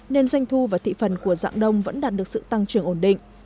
nên doanh thu và thị phần của dạng đông vẫn đạt được sự tăng trưởng ổn định